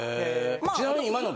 ちなみに今の